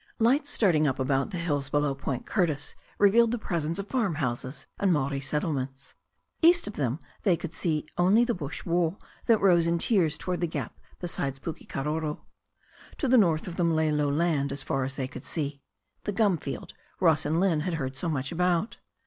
Lights starting up about the hills below Point Curtis re* vealed the presence of farm houses and Maori settlements. 312 THE STORY OF A NEW ZEALAND RIVER East of them they could see only the bush wall that rose in tiers towards the gap beside Pukekaroro. To the north of them lay low land as far as they could see — ^the gum field Ross and Lynne had heard so much about.